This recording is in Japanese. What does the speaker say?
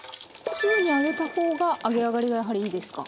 すぐに揚げた方が揚げ上がりがやはりいいですか？